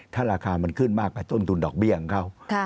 ถ้าราคามันขึ้นมากไปต้นทุนดอกเบี้ยของเขา